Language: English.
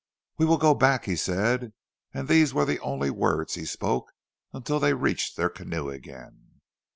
"We will go back," he said, and these were the only words he spoke until they reached their canoe again.